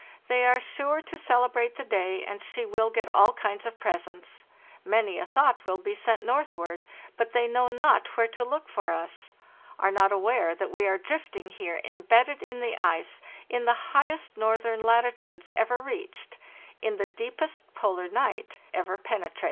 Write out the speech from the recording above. They are sure to celebrate the day, and she will get all kinds of presents. Many a thought will be sent northward, but they know not where to look for us; are not aware that we are drifting here embedded in the ice in the highest northern latitudes ever reached, in the deepest polar night ever penetrated."